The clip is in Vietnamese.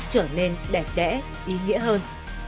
trở nên đẹp đẽ ý nghĩa hơn